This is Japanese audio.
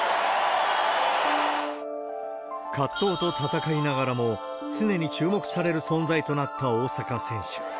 葛藤と戦いながらも、常に注目される存在となった大坂選手。